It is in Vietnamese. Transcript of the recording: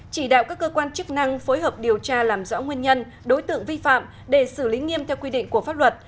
chỉ đạo các cơ quan chức năng phối hợp điều tra làm rõ nguyên nhân đối tượng vi phạm để xử lý nghiêm theo quy định của pháp luật